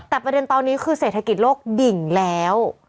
แต่ประเด็นตอนนี้คือเศรษฐกิจโลกดิ่งแล้ว